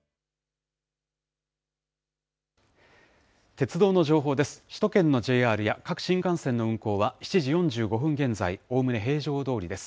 鉄道の情報です。